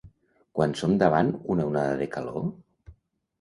Quan som davant una onada de calor?